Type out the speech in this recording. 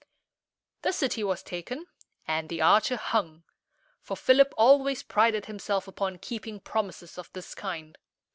The city was taken, and the archer hung; for Philip always prided himself upon keeping promises of this kind.